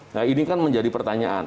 nah ini kan menjadi pertanyaan